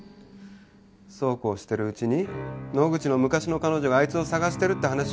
そうこうしてるうちに野口の昔の彼女があいつを捜してるって話を聞いて。